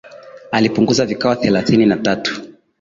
apunguzwa vikawa thelathini na tatu